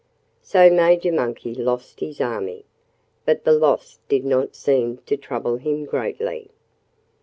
So Major Monkey lost his army. But the loss did not seem to trouble him greatly.